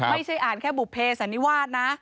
ไม่ใช่อ่านแค่บุภเพสันนิวาสนะ